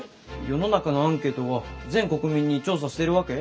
世の中のアンケートは全国民に調査してるわけ？